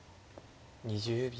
２０秒。